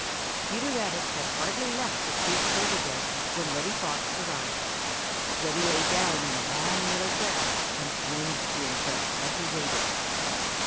Peter Rabbit had hardly left the sweet clover bed when Reddy Fox arrived. Reddy lay down in the long meadow grass and grinned to himself as he waited.